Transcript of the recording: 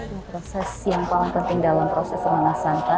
ini proses yang paling penting dalam proses emangah sangka